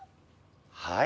はい。